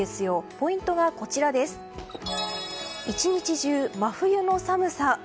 ポイントが、１日中真冬の寒さ。